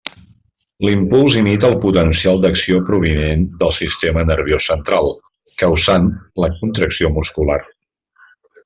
L'impuls imita el potencial d'acció provinent del sistema nerviós central, causant la contracció muscular.